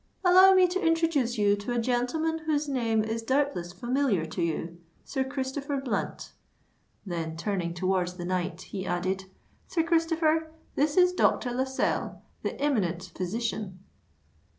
"Allow me to introduce you to a gentleman whose name is doubtless familiar to you—Sir Christopher Blunt:" then, turning towards the knight, he added, "Sir Christopher, this is Dr. Lascelles, the eminent physician."